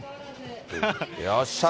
よっしゃと。